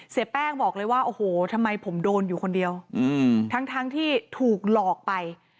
เสียแป้งบอกเลยว่าโอ้โหทำไมผมโดนอยู่คนเดียวทั้งที่ถูกหลอกไป